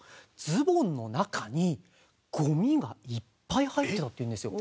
ズボンの中にゴミがいっぱい入ってたっていうんですよ。